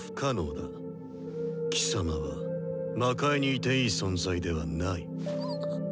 貴様は魔界にいていい存在ではない。